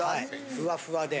ふわふわで。